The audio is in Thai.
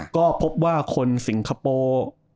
ก็พบว่าคนสิงคโปร์